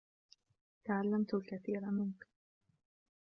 تعلمت الكثير منك.